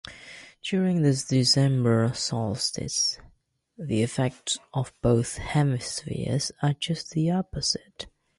During the December Solstice, the effects on both hemispheres are just the opposite.